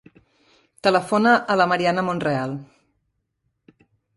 Telefona a la Mariana Monreal.